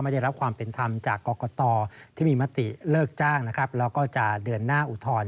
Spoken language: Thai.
ได้รับความเป็นธรรมจากกรกตที่มีมติเลิกจ้างนะครับแล้วก็จะเดินหน้าอุทธรณ์